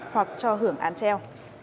hoặc cho hưởng án treo